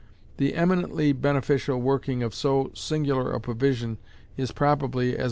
The eminently beneficial working of so singular a provision is probably, as M.